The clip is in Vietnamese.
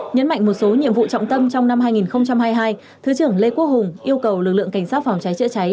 nhấn mạnh một số nhiệm vụ trọng tâm trong năm hai nghìn hai mươi hai thứ trưởng lê quốc hùng yêu cầu lực lượng cảnh sát phòng cháy chữa cháy